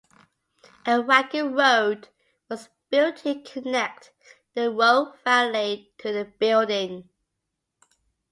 A wagon road was built to connect the Rogue Valley to the building.